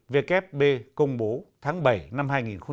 vfb công bố tháng bảy năm hai nghìn một mươi chín